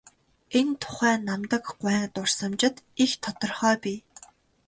Энэ тухай Намдаг гуайн дурсамжид их тодорхой бий.